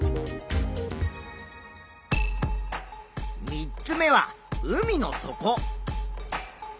３つ目は海の底。